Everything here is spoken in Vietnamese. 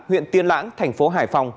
huyện tiên lãng thành phố hải phòng